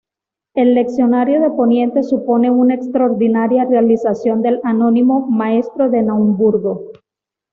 El leccionario de poniente supone una extraordinaria realización del anónimo "Maestro de Naumburgo".